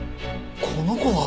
この子は！